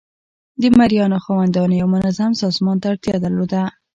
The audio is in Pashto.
د مرئیانو خاوندانو یو منظم سازمان ته اړتیا درلوده.